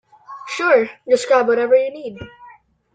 Sure, just grab whatever you need.